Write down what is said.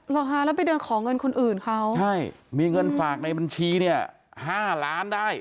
หรอฮะแล้วไปเดินขอเงินคนอื่นเขาใช่มีเงินฝากในบัญชีเนี่ยห้าล้านได้